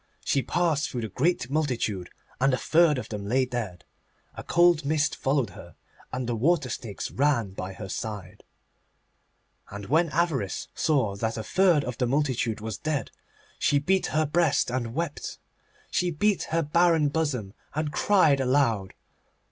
She passed through the great multitude, and a third of them lay dead. A cold mist followed her, and the water snakes ran by her side. And when Avarice saw that a third of the multitude was dead she beat her breast and wept. She beat her barren bosom, and cried aloud.